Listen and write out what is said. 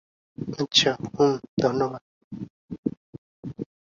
আচ্ছা, হুম, ধন্যবাদ।